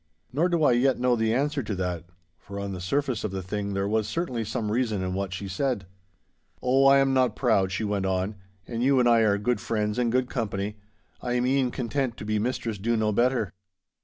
Nor do I yet know the answer to that, for on the surface of the thing there was certainly some reason in what she said. 'Oh, I am not proud,' she went on, 'and you and I are good friends and good company. I am e'en content to be Mistress Do no better!